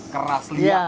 keras liat begitu ya